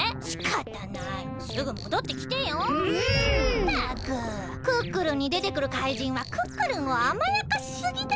ったく「クックルン」にでてくる怪人はクックルンをあまやかしすぎだにゃ。